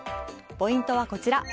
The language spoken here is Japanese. ポイントはこちら。